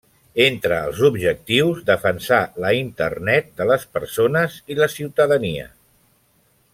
Entre els objectius: defensar la internet de les persones i la ciutadania.